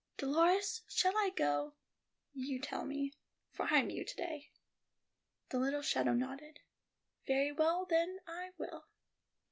"Dolores, shall I go? You tell me, for I am you to day." The little shadow nodded. "Very well, then, I will."